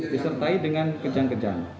disertai dengan kejang kejang